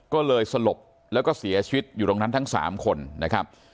ก็เลยสลบแล้วก็เสียชีวิตอยู่ตรงนั้นทั้ง๓คนนะครับ